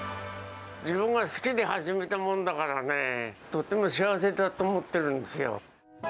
自分が好きで始めたものだからね、とっても幸せだと思ってるんですよ。